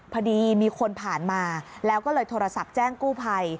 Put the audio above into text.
พอดีมีคนผ่านมาแล้วก็เลยโทรศัพท์แจ้งกู้ภัย